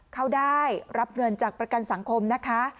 เขาได้รับเงินจากประกันสังคมนะคะ